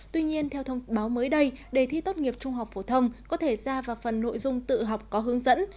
tuy nhiên theo thông báo mới đây đề thi tốt nghiệp trung học phổ thông có thể ra vào phần nội dung tự học có hướng dẫn